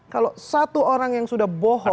kalau satu orang yang sudah bohong